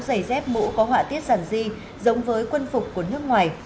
giày dép mũ có họa tiết giản di giống với quân phục của nước ngoài